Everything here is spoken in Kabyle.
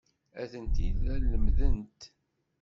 Atenti la lemmdent.